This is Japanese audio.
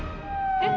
えっ？